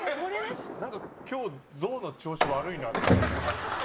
何か今日ゾウの調子悪いなって。